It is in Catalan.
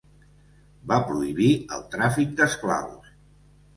Va prohibir el tràfic d'esclaus.